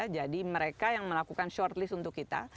jadi mereka yang melakukan shortlist untuk kita